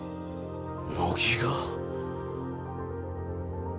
乃木が？